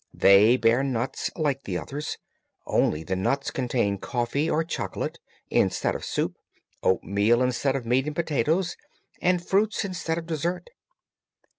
They bear nuts, like the others, only the nuts contain coffee or chocolate, instead of soup; oatmeal instead of meat and potatoes, and fruits instead of dessert.